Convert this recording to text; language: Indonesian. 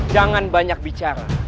jangan banyak bicara